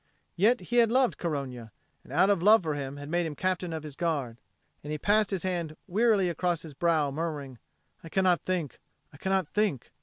Yet he had loved Corogna, and out of love for him had made him Captain of his Guard. And he passed his hand wearily across his brow, murmuring, "I cannot think, I cannot think."